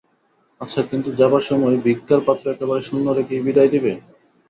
আচ্ছা, কিন্তু যাবার সময় ভিক্ষার পাত্র একেবারে শূন্য রেখেই বিদায় দেবে?